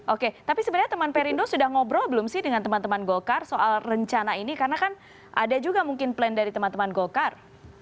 oke tapi sebenarnya teman perindo sudah ngobrol belum sih dengan teman teman golkar soal rencana ini karena kan ada juga mungkin plan dari teman teman golkar